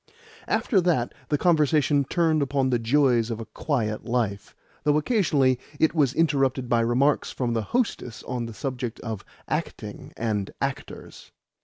After that the conversation turned upon the joys of a quiet life though occasionally it was interrupted by remarks from the hostess on the subject of acting and actors.